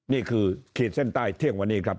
ขีดเส้นใต้เที่ยงวันนี้ครับ